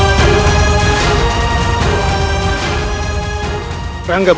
jangan lupa untuk berlangganan